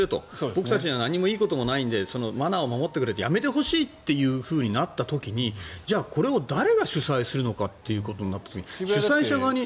僕たちは何もいいことがないのでマナーを守ってくれやめてほしいとなった時にじゃあ、これを誰が主催するのかということになった時に主催者側に。